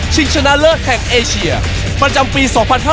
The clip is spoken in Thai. ชิงชนะเลิกแข่งเอเชียประจำปี๒๕๖๐